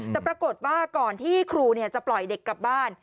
แต่ปรากฏว่าก่อนที่ครูจะปล่อยเด็กกลับบ้าน